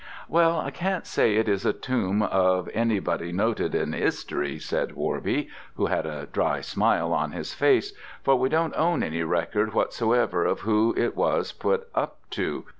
"Well, I can't say as it is the tomb of anybody noted in 'istory," said Worby, who had a dry smile on his face, "for we don't own any record whatsoever of who it was put up to.